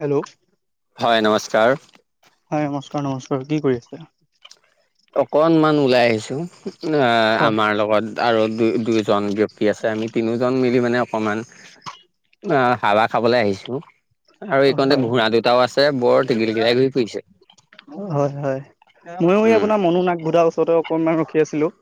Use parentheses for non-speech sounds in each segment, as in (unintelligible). Hello হয় নমস্কাৰ। হয় নমস্কাৰ, নমস্কাৰ কি কৰি আছে? অকনমান ওলাই আহিছো (unintelligible) হয় আমাৰ লগত আৰু দুই-দুইজন ব্যক- সি আছে আমি তিনিওঁজন মিলি মানে, অকমান (unintelligible) হাৱা খাবলে আহিছো। আৰু এইকণতে ঘোঁৰা দুটাও আছে বৰ টিঘলিঘিৰাই ঘূৰি ফুৰিছে। হয়, হয় ময়ো এ, উম আপোনাৰ মনো নাগভোধাৰ ওচৰতে অকনমান ৰখি আছিলোঁ।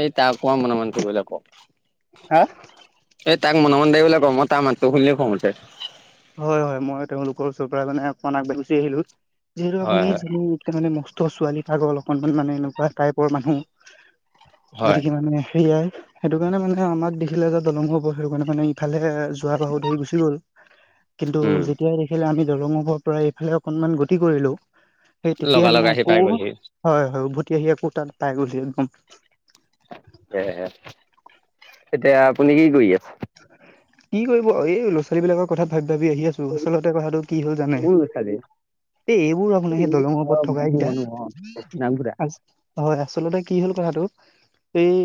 এই তাক অকমান মনে, মনে থাকিবলে ক'। হা? এই তাইক মনে, মনে থাকিবলে ক, ম, তাৰ মাতটো শুনিলে খং উঠে। হয, হয় মই তেওঁলোকৰ ওচৰৰ পৰা মানে অকমান আগবাঢ়ি গুচি আহিলো, যিহেতু হয় আপুনি হয় জানেই ত, ছোৱালী পাগল অকনমান মানে এনেকুৱা টাইপৰ মানুহ, হয় গতিকে মানে সেয়াই সেইটো কাৰণে মানে আমাক দেখিলে যে দলঙৰ ওপৰত, সেইটো কাৰণে মানে ইফালে যোৱা বাহু ধৰি গুচি গ'ল। কিন্তু উম যেতিয়াই দেখিলে আমি দৰঙৰ ওপৰৰ পৰা এইফালে অকনমান গতি কৰিলোঁ সেই তেতিয়াই লগালগ মানে আহি পাই আকৌ, গ'লহি হয় হয়, উভতি আহি আকৌ তাত পাই গ'ল হি। (unintelligible) সেইয়াহে, এতিয়া আপুনি কি কৰি আছে? কি কৰিব, এই লৰা-ছোৱালী বিলাকৰ কথা ভাবি, ভাবি আহি আছো, আচলতে কথাটো কি হ'ল জানে, কোন ল'ৰা ছোৱালী? এই এইবোৰ আপোনাৰ সেই দলঙৰ অ, ওপৰত থকা মানুহ কেইটা মানুহ অ, নাম ঘোঁৰা। আজ হয়, আচলতে কি হ'ল কথাটো এই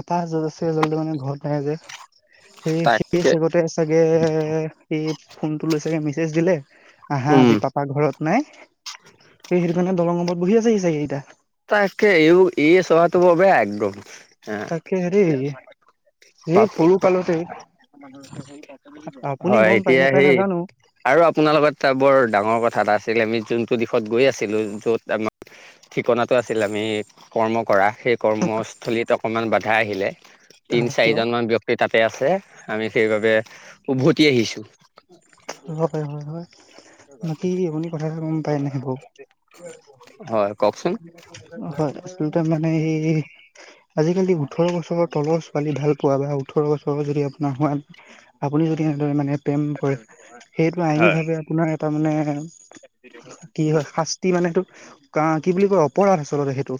আপা জলচে জলটো মানে ঘৰতে আহে যে সেই-সেই তাকে চাগতে চাগে এই ফোনটো লৈ চাগে মেছেজ দিলে আহা উম আজি পাপা ঘৰত নাই, এই সেইটো কাৰণে দলং ওপৰত বহি আছেহি চাগে এইকেইটা। তাকে, এই স্বভাৱটো বৰ বেয়া একদম হা। তাকে হেৰি এই সৰু কালতে (unintelligible) আপুনি হয় গম পাই এতিয়া নাপায় সেই নাজানো আৰু আপোনাৰ লগত এটা বৰ ডাঙৰ কথা এটা আছিলে, আমি যোনটো দিশত গৈ আছিলো য'ত আমাৰ ঠিকনাটো আছিল আমি কৰ্ম কৰা, সেই কৰ্মস্থলীত অকণমান বাধা আহিলে। আহ তিন কিয় চাৰিজন মান ব্যক্তি তাতে আছে, আমি সেইবাবে উভতি আহিছো। হব পাৰে হয় নহয়। বাকি আপুনি কথা এটা গম পায় নে বাৰু। হয় কওকচোন। হয়, আচলতে মানে এই আজিকালি ওঠৰ বছৰৰ তলৰ ছোৱালী ভাল পোৱা বা ওঠৰ বছৰ যদি আপোনাৰ হোৱা আপুনি যদি সেনেদৰে মানে প্ৰেম কৰে, সেইটো আইনী হয় ভাৱে আপোনাৰ এটা মানে কি হয়, শাস টি মানে সেইটো কি বুলি কয় অপৰাধ আচলতে সেইটো,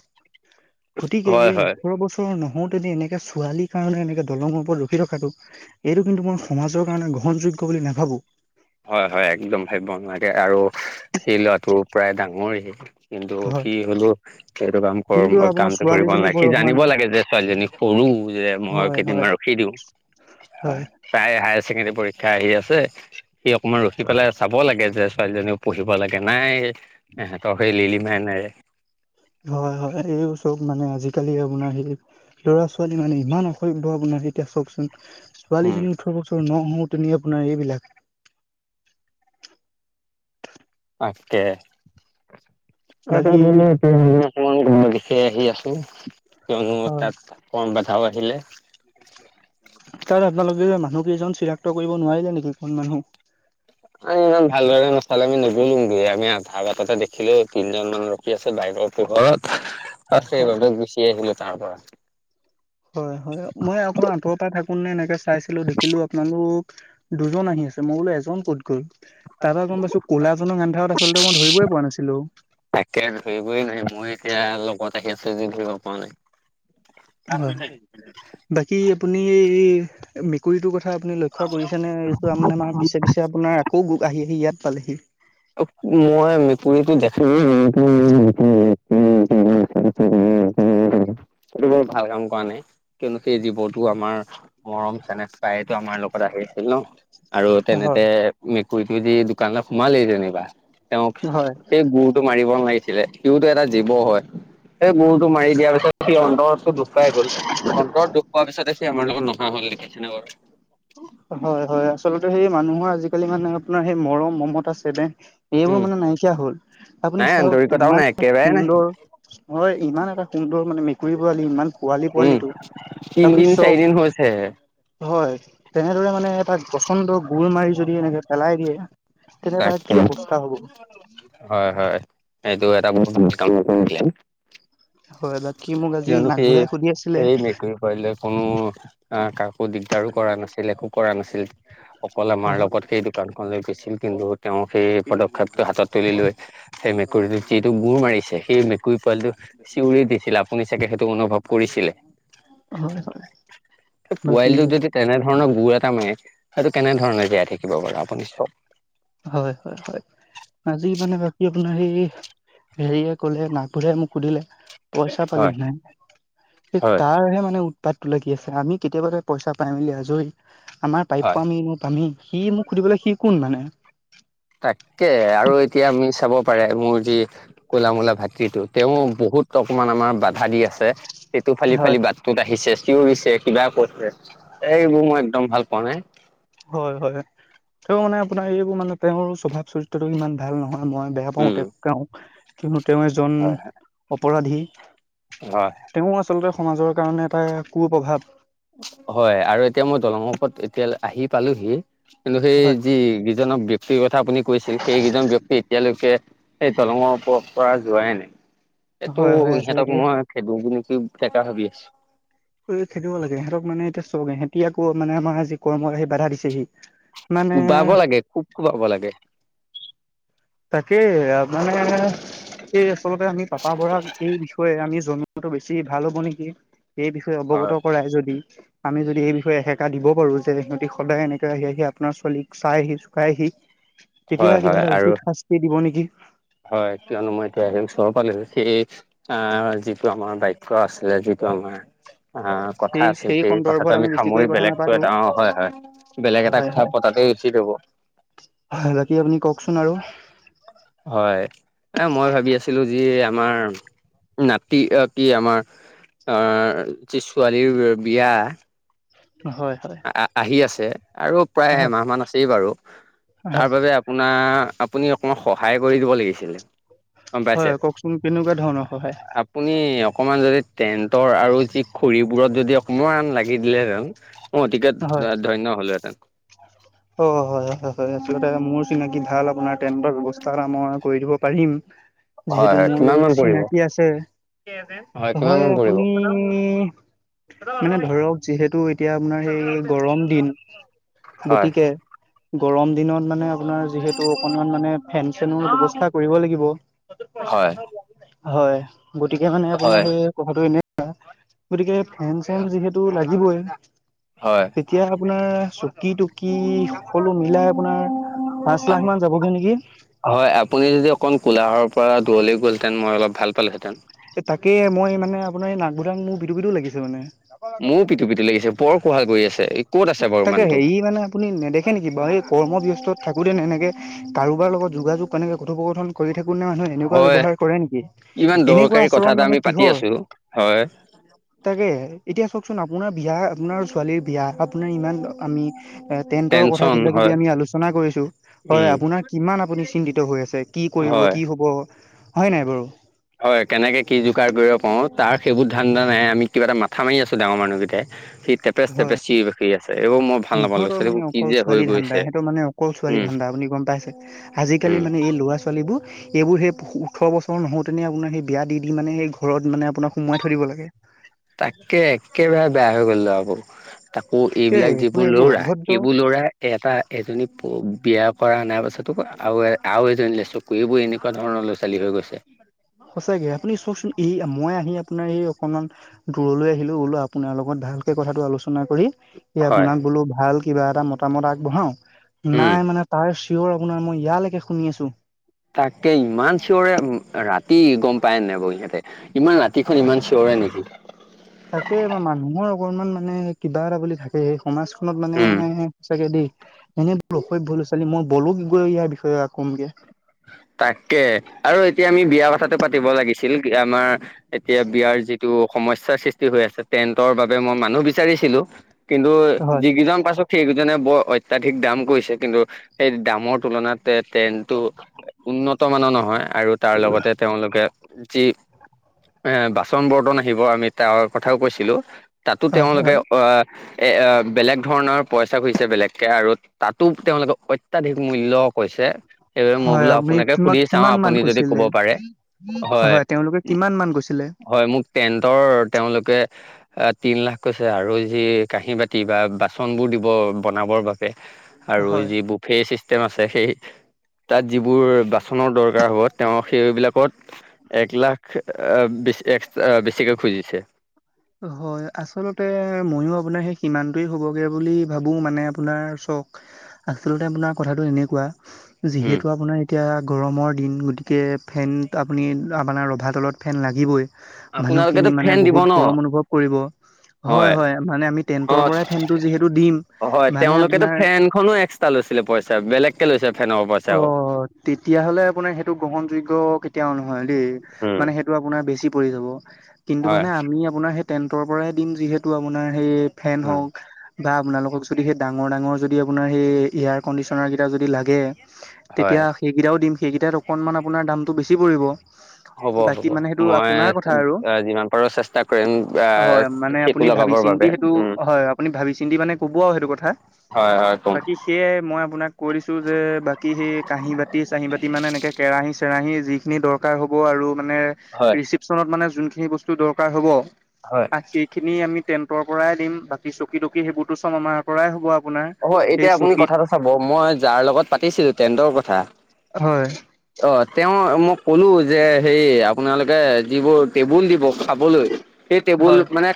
গতিকে হয় এই হয় ওঠৰ বছৰ (unintelligible) নহওতে এনেকে ছোৱালীৰ কাৰণে এনেকে দলঙৰ ওপৰত ৰখি ৰখাটো এইটো কিন্তু মই সমাজৰ কাৰণে গ্ৰহণযোগ্য বুলি নাভাবোঁ। হয় হয়, একদম ভাবিব নোৱাৰি আৰু সেই ল'ৰাটো প্ৰায় ডাঙৰেই কিন্তু হয় সি হ'লো সেইটো কাম কৰ কিন্তু মই আপোনাৰ কামটো কৰিব ছোৱালীজনী নালাগে সি বয়স হোৱা জানিব নাই লাগে যে ছোৱালীজনী সৰু যে মই হয় কেইদিন হয় বাৰু ৰখি দিওঁ। হয়। তাইৰ হায়াৰ ছেকেণ্ডেৰী পৰীক্ষা আহি আছে, সি অকনমান ৰখি পেলাই চাব কব লাগে যে ছোৱালীজনীও পঢ়িব লাগে নাই এহঁতৰ সেই লিলিমাই নেৰে। হয় হয়, এই চব মানে আজিকালি আপোনাৰ সেই ল'ৰা ছোৱালী মানে ইমান অসভ্য আপোনাৰ এতিয়া চকচোন উম ছোৱালীজনী ওঠৰ বছৰ নহওঁতে আপোনাৰ এইবিলাক তাকে, (unintelligible) বাকী (unintelligible) দিশে আহি আছোঁ, কিয়নো হয় তাত অকমান বাধাও আহিলে। তাত আপোনালোকে যে মানুহ কেইজন চিনাক্ত কৰিব নোৱাৰিলে নেকি কোন মানুহ? আহ, ইমান ভালদৰে নাচালে আমি নগলো, আমি আধা বাটতে দেখিলো তিনজন মানক কি আছে বাইকৰ পোহৰত আৰু হয় সেইবাবে গুচি আহিলো তাৰ পৰা। হয় হয়, মই অকণমান আঁতৰৰ পৰা থাকো নে এনেকে চাইছিলো দেখিলো আপোনালোক দুজন আহি আছে মই বোলো এজন ক'ত গ'ল, তাৰ পৰা গম পাইছো ক'লা জনক আন্ধাৰত আচলতে মই ধৰিবই পৰা নাছিলো। তাকে ধৰিবই নোৱাৰি মই এতিয়া লগত আহি আছো যদি ধৰিব পৰা নাই। হয়, বাকী আপুনি মেকুৰীটোৰ কথা আপুনি লক্ষ্য কৰিছেনে এইটো মানে আমাৰ পিছে পিছে আপোনাৰ আকৌ আহি আহি ইয়াত পালেহি। মই মেকুৰীটো দেখি। (unintelligible) (unintelligible) ভাল কাম কৰা নাই কিয়নো সেই জীৱটো আমাৰ মৰম চেনেহ চায়েটো আমাৰ লগত আহি আছিল ন। আৰু হয়, তেনেতে মেকুৰীটো যি দোকানত সোমালেই যেনিবা তেওঁক হয়, তেওঁ গোৰটো মাৰিব নালাগিছিলে। সিওতো এটা জীৱ হয়। সে গোৰটো মাৰি দিয়া পিছত সি অন্তৰতটো দুখ পাই গল। অন্তৰত দুখ পোৱাৰ পিছতে সি আমাৰ লগত নোহোৱা হ'ল দেখিছেনে বাৰু। হয়, হয়। আচলতে সেই মানুহৰ আজি-কালি মানে আপোনাৰ সেই মৰম, মমতা, চেনেহ এইবোৰ উম, মানে নাইকিয়া হ'ল। আপুনি নাই চাওঁক আন্তৰিকতাও ইমান নাই (unintelligible) একেবাৰে নাই সুন্দৰ হয়, ইমান এটা সুন্দৰ মানে মে কুৰী পোৱালি ইমান পোৱালি উম, পোৱালিটো, আপুনি তিনদিন চক চাৰিদিন হৈছেহে। হয়, তেনেদৰে মানে তাক পচন্দ গুৰ মাৰি যদি এনেকে পেলাই দিয়ে তেন্তে তাৰ তাকে কি অৱস্থা হ'ব? হয়, হয়। এইটো এটা (unintelligible) হয়, বাকী মোক আজি নাক বুঢ়াই সুধি আছিলে। পাৰিলে ফনত কা-কাকো দিগদাৰো কৰা নাছিল, একো কৰা নাছিল। অকল আমাৰ হয়, লগত সেই দোকানখনলে গৈছিল, কিন্তু তেওঁ সেই পদক্ষেপটো হাতত তুলি লৈ সেই মেকুৰীটোক যিটো গোৰ মাৰিছে, সেই মেকুৰী পোৱালীটো চিঞৰি দিছিল। আ পুনি চাগে সেইটো অনুভৱ কৰিছিলে? হয়, হয়, বাকী পোৱালিটোক যদি তেনে ধৰণৰ গোৰ এটা মাৰে সেইটো কেনেধৰণে জীয়াই থাকিব বাৰু আপুনি চওক। হয়, হয়, হয়। আজি মানে বাকী আপোনাৰ সেই হেৰিয়ে ক'লে নাক পূজাৰীয়ে মোক সুধিলে পইচা পালি হয় নাই? হে হয় তাৰহে মানে উৎ উৎপাতটো লাগি আছে। আমি কেতিয়াবাতে পইচা পাই মেলি আজৰি। আমাৰ হয়। প্ৰাপ্য আমি মই পামেই। সি মোক সুধিবলে সি কোন মানে? তাকে আৰু এতিয়া আমি চাব পাৰে মোৰ যি কোলা মোলা ভাতৃটো, তেওঁ বহুত অকমান আমাৰ বাধা দি আছে। টেটু ফালি হয় ফালি বাটটোত আহিছে, চিঞৰিছে, কিবা ক-ৰে। এ এইবোৰ মই একদম ভাল পোৱা নাই। হয়, হয়। তেওঁ মানে আপোনাৰ এইবোৰ মানে তেওঁৰ স্বভাৱ চৰিত্ৰটো ইমান ভাল নহয়। মই বে বেয়া পাওঁ উম। তেওঁক, তেওঁক। কিন্তু তেওঁ এজন হয় অপৰাধী। হয়। তেওঁ আচলতে সমাজৰ কাৰণে এটা কুপ্ৰভাৱ হয় আৰু এতিয়া মই দলংৰ ওপৰত এতিয়া লে আহি পালোহি, কিন্তু সেই হয় যি গি যিজনক ব্যক্তি কথা আপুনি কৈছিল, সেইকেইজন ব্যক্তি এতিয়ালৈকে সেই দলঙৰ ওপৰৰ পৰা যোৱাই নাই। এইটো হয় হয় আচলতে ইহঁতক মই খেদোকে নেকি ফেকা ভাবি আছোঁ। ঐ খেদিব লাগে। ইহঁতক মানে এতিয়া চব এহেতি আকৌ মানে আমাৰ আজি কৰ্মত আহি বাধা দিছেহি। মানে কোবাব লাগে, খুব কোবাব লাগে। তাকে আ মানে এই আচলতে আমি পাপা বৰাক এই বিষয়ে আমি জনো (inaudible) ৱাটো বেছি ভাল হ'ব নেকি? এই বিষ তে অৱগত হয় কৰা‌ই যদি আমি যদি এই বিষয়ে এসেকা দিব পাৰোঁ যে সিহঁতি সদায় এনেকৈ আহি আহি আপোনাৰ ছোৱালীক চাইহি, জোকাইহি। তেতিয়া হয় কিবা হয় এটা আৰু উচিত শাস্তি দিব নেকি? হয়, কিয়নো মই এতিয়া আহি ওচৰ পালোহি, ঠিক আ যিটো আমাৰ বাইক ক আছিলে যিটো আমাৰ আ কথা সেই আছিল সেই সন্দৰ্ভত কথাটো আমি বেছিকৈ সামৰি কথা বেলেগতো নাপাতো। এটা, অ' হয়, হয়। বেলেগ এটা হয় কথা হয় পতাটোৱে ওঠিক হ'ব। হয়, বাকী আপুনি কওঁকচোন আৰু। হয়, এ মই ভাবি আছিলো যি আমাৰ নাতি আতি আমাৰ, অঁহ যি ছোৱালীৰ বিয়া হয় হয়। আ আহি আছে আৰু হয় প্ৰায় এমাহ মান আছেই বাৰু তাৰ হয় বাবে আপোনা আপুনি অকণমান সহায় কৰি দিব লাগিছিলে। গম পাইছে হয় কওঁকচোন, কেনেকুৱা ধৰণৰ সহায়। আপুনি অকমান যদি টেন্টৰ আৰু যি খৰিবোৰত যদি অকমান লাগি দিলে হেতেন। মই অতিকে ধন্য হলোহেঁতেন। অহ হয় হয়, সেইটো এটা মোৰ চিনাকি ভাল আপোনাৰ টেণ্টৰ ব্যৱস্থা এটা মই কৰি দিব পাৰিম। হয় যিহেতু হয় মোৰ কিমান মান পৰিব চিনাকি আছে, হয় কিমান নহয় মান পৰিব আপুনি হেল্ল মানে ধৰক যিহেতু এতিয়া আপোনাৰ সেই গৰম দিন, হয় গতিকে গৰম দিনত, মানে আপোনাৰ যিহেতু অকনমান ফেন চেনৰ ব্যৱস্থা কৰিব লাগিব, এইতো পইচা হয় কথা দিয়া। হয়, গতিকে মানে আপোনাৰ হয় সেই কথাটো এনেকোৱা, গতিকে ফেন চেন যিহেতু লাগিবই। হয়। তেতিয়া আপোনাৰ চকীটোক কি সকলো মিলাই আপোনাৰ পাঁচ লাখ মান যাবগে নেকি? হয় আপুনি যদি অকণ কোলাহৰ পৰা দূৰলৈ গ'ল হেঁতেন মই অলপ ভাল পালোঁ হেঁতেন। এ তাকে মই মানে আপোনাৰ এই নাকবুধাক মোৰ পিতো পিতো লাগিছে মানে। মোৰ পিতো পিতো লাগিছে। বৰ কোহাল কৰি আছে ক'ত আছে বাৰু তাকে মানুহটো হেৰি মানে আপুনি নেদেখে নেকি বাৰু এই কৰ্মব্যস্ত থাকোঁতে নে এনেকে, কাৰোবাৰ লগত যোগাযোগ কেনেকে কথোপকথন কৰি থাকোতে মানুহে এনেকুৱা হয় ব্যৱহাৰ কৰে নেকি, ইমান এনেকুৱা দৰকাৰী কথা আচৰণ এটা আমি মানে পাতি কিহৰ? আছো হয় তাকে, এতিয়া চওকচোন আপোনাৰ বিয়া আপোনাৰ ছোৱালীৰ বিয়া, আপোনাৰ ইমান আমি টেন্টৰ কথা টেনচন কিবা হয় কিবি আমি আলোচনা কৰিছোঁ। হয় উম। আপোনাৰ কিমান আপুনি চিন্তিত হৈ আছে কি কৰিব হয় কি হ'ব হয় নাই বাৰু? হয় কেনেকে কি যোগাৰ কৰিব পাৰোঁ তাৰ সেইবোৰ ধান্দা নাই আমি কিবা এটা মাথা মাৰি আছো ডাঙৰ মানুহকেটাই। হয়, এইবোৰ মই ভাল নাপাওঁ ল'ৰা সিহঁতৰ মানে ছোৱালীবোৰ কি অকল যে হৈ ছোৱালী ধান্দা গৈছে এঁহেতৰ মানে অকল ছোৱালী উম ধান্দা আপুনি গম পাইছে, আজিকালি উম মানে এই ল'ৰা ছোৱালীবোৰ এইবোৰ সেই ওঁঠৰ বছৰ নহওঁতেনে আপোনাৰ সেই বিয়া দি দি মানে সেই ঘৰত মানে আপোনাক সোমাই থৈ দিব লাগে। তাকে একে বাৰে বেয়া হৈ গ'ল দে আকৌ। তাকৌ তাকে এইবিলাক আপোনাৰ যিবোৰ এইবোৰ ল'ৰা, অভদ্ৰ সেইবোৰ লৰা এটা এজনী বিয়া কৰা আনাৰ পাছত তোক আৰু এ আৰু এজনী লে চকু এইবোৰ এনেকুৱা ধৰণৰ লৰা ছোৱালী হৈ গৈছে। সঁচাকে আপুনি চওকচোন এই মই আহি আপোনাৰ এই অকণমান দূৰলৈ আহিলোঁ বোলো আপোনাৰ লগত ভালকে কথাটো আলোচনা কৰি এই হয় আপোনাক বোলো ভাল কিবা এটা মতামত আগবঢ়াও, উম নাই মানে তাৰ চিঞৰ আপোনাৰ মই ইয়ালেকে শুনি আছোঁ। তাকে ইমান চিঞৰে ৰাতি গম পায় নে নাই বাৰু ইহতে? ইমান ৰাতিখন ইমান চিঞৰে নেকি? তাকে বা মানুহৰ অকনমান মানে কিবা এটা বুলি থাকে, সেই সমাজখনত মানে উম সঁচাকে দেই এনেই অশভ্য লৰা ছোৱালী মই বলোত গৈ ইয়াৰ বিষয়ে কমগে। তাকে আৰু এতিয়া আমি বিয়া কথাটো পাতিব লাগিছিল কী আমাৰ এতিয়া বিয়াৰ যিটো সমস্যাৰ সৃষ্টি হৈ আছে, টেন্টৰ বাবে মই মানুহ বিচাৰিছিলোঁ। কিন্তু হয় যিকিজন পাইছোঁ সেইকেইজনে বৰ অত্যাধিক দাম কৈছে কিন্তু সেই দামৰ তুলনাত। টে টেণ্টো উন্নত মানৰ নহয়, আৰু তাৰ লগতে তেওঁলোকে যি এ বাচন-বৰ্তন আহিব আমি তাৰ কথাও কৈছিলো। তাতো হয় তেওঁলোকে হয় এ বেলেগ ধৰণৰ পইচা খুজিছে বেলেগকে আৰু তাতো তেওঁলোকে অত্যাধিক মূল্য কৈছে। মই হয় বোলো আপুনি আপোনাকে কিমান সুধি চাওঁ, কিমান মান আপুনি যদি কৈছিলে? ক'ব পাৰে। হয়, তেওঁলোকে কিমান মান কৈছিলে? হয় মোক টেন্টৰ তেওঁলোকে অ', তিন লাখ কৈছে আৰু যি কাঁহী বাতি বা বাচন বোৰ দিব বনাবৰ বাব বে আৰু হয়। যি বুফে ছিষ্টেম আছে, সেই তাত যিবোৰ বাচনৰ দৰকাৰ হ'ব, তেওঁ সেইবিলাকত এক লাখ অ', বিছ এক্স বেছিকে খুজিছে। হয়। আচলতে ময়ো আপোনাৰ সেই সিমানটোৱেই হ'ব গে বুলি ভাবো। মানে আপোনাৰ চক আচলতে আপোনাৰ কথাটো এনেকুৱা। উম যিহেতু আপোনাৰ এতিয়া গৰমৰ দিন, গতিকে ফেন আপুনি আপোনাৰ ৰভাতলত ফেন লাগিবই। আপোনালোকেতো মানুহখিনি মানে ফেন দিব বহুত ন গৰম অনুভৱ কৰিব। হয়, হয় মানে আমি টেণ্টৰ অ' পৰাই ফেনটো যিহেতু দিম। মানে আপোনাৰ খনো এক্সট্ৰা লৈছিলে পইচা, বেলেগ কে লৈছে ফেনৰও প অ', তেতিয়াহ'লে আপোনাৰ সেইটো গ্ৰহণযোগ্য কেতিয়াও নহয় দেই। মানে সেই টো আপোনাৰ বেছি পৰি যাব। কিন্তু হয় মানে আমি আপোনাৰ সেই টেন্টৰ পৰাই দিম যিহেতু আপোনাৰ সেই ফেন হওঁক বা আপোনালোকক যদি সেই ডাঙৰ ডাঙৰ যদি আপোনাৰ সেই এয়াৰ কণ্ডিশ্যনাৰ কেইটা যদি লাগে হয় তেতিয়া সেইকেইটাওঁ দিম, সেইকেইটাত অকনমান আপোনাৰ দামটো বেছি পৰিব। হ'ব, বাকী হ'ব মানে সেইটো মই আপোনাৰ কথা আৰু যিমান পাৰো চেষ্টা কৰিম। হয় মানে আহ আপুনি ভাবি লগাবৰ চিন্তি বাবে সেইটো উম হয়, আপুনি ভাবি চিন্তি মানে ক'ব আৰু সেইটো কথা। হয়, হয় ক'ম। ইয়ে মই আপোনাক কৈ দিছোঁ যে বাক কী সেই কাঁহী বাতি চাহি বাতি মানে এনেকে কেৰাহী চেৰাহী যিখিনি দৰকাৰ হ'ব আৰু মানে হয় ৰিচিপচনত মানে যোনখিনি বস্তু দৰকাৰ হ'ব। হয় আ' সেই খিনি আমি টেণ্টৰ পৰাই দিম, বাকী চকী তকী সেইবোৰটো চব আমাৰ পৰাই হ'ব আপোনাৰ। অ সে এতিয়া আপুনি চকীত কথাটো চাব মই যাৰ লগত পাতিছিলোঁ টেণ্টৰ কথা হয়। অ', তেওঁ মই কলো যে হে আপোনালোকে যিবোৰ টেবুল দিব খাবলৈ সেই টেবুল হয় মানে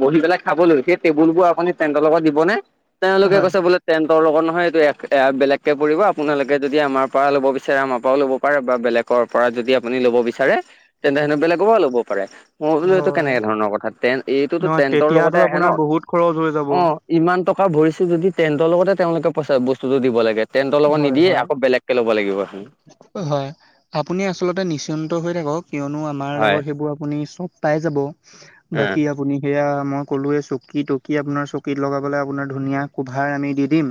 বহি পেলাই খাব লৈ সেই টেবুল বোৰ আপুনি টেন্টৰৰ লগত দিবনে? তেওঁলোকে হয় কৈছে বোলে টেন্টৰ লগত নহয় এইটো বেলেগকে পৰিব, আপোনালোকে যদি আমাৰ পৰা ল'ব বিচাৰে আমাৰ পৰাও ল'ব পাৰে বা বেলেগ গৰ পৰা যদি আপুনি ল'ব বিচাৰে তেন্তে হেনো বেলেগৰ পৰা ল'ব পাৰে। মই বোলো এইটো হয় কেনেকে ধৰণৰ কথা? এইটোতো নহয় টেন্টৰ তেতিয়াতো লগতে আহে ন আপোনাৰ বহুত খৰচ হৈ যাব অ'। ইমান টকা ভৰিছো যদি টেণ্টৰ লগতে তেওঁলোকে পইচা বস্তুতটো দিব লাগে। টেণ্টৰ লগত হয় নিদিয় হয় আকৌ বেলেগকে ল'ব লাগিব হেনো। হয়। আপুনি আচলতে নিশ্চিন্ত হৈ থাকক, কিয়নো আমাৰ হয়। লগত সেইবোৰ আপুনি চব পাই যাব। অ বাকী আপুনি সেইয়া আমাক ক'লোৱেই চকী টকী আপোনাৰ, চকীত লগাবলৈ আপোনাৰ ধুনীয়া ক'ভাৰ আনি দি দিম।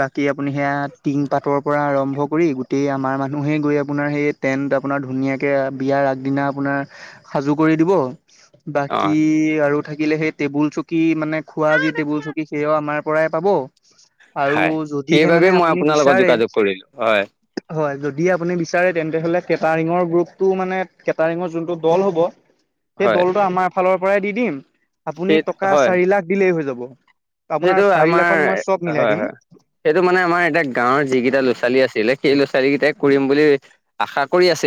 বাকী আপুনি সেইয়াত টিং পাতৰ পৰা আৰম্ভ কৰি গোটেই আমাৰ মানুহে গৈ আপোনাৰ সেই টেণ্ট আপোনাৰ ধুনীয়াকে। বিয়াৰ আগদিনা আপোনাৰ সাজু কৰি দিব বাকি অ', আৰু থাকিলে সেই টেবুল চকী মানে খোৱা যি টেবুল চকী সেয়াও আমাৰ পৰাই পাব। আৰু হয় যদিহে সেইবাবে মানে মই আপুনি আপোনাৰ লগত বিচাৰে যোগাযোগ কৰিলোঁ হয়। হয় যদি আপুনি বিচাৰে তেন্তে হ'লে কেটাৰিঙৰ গ্ৰুপটো মানে কেটাৰিঙৰ যোনটো দল হ'ব। সেই হয়, দলটো আমাৰ ফালৰ পৰাই দি দিম আপুনি সেই টকা হয়, চাৰি লাখ দিলেই হৈ যাব। আপোনাৰ সেইটো চাৰি আমাৰ লাখত মই চব মিলাই হয় দিম হয়। সেইটো মানে আমাৰ এটা গাঁৱৰ যি কেইটা ল'ৰাছোৱালী আছিলে সেই ল'ৰাছোৱালী কেইটাই। কৰিম বুলি আশা কৰি আছে।